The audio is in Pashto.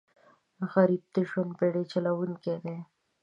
غریب د ژوند بېړۍ چلوونکی دی